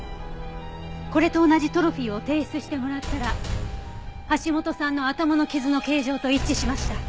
これと同じトロフィーを提出してもらったら橋本さんの頭の傷の形状と一致しました。